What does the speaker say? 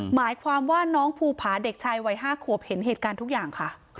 หมายความว่าน้องภูผาเด็กชายวัย๕ขวบเห็นเหตุการณ์ทุกอย่างค่ะ